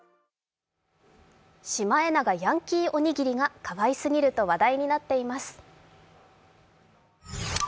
シマエナガヤンキーおにぎりがかわいすぎると話題になっています。